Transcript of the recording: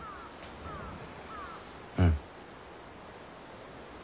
うん。